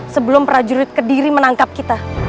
sebelum prajurit kediri menangkap kita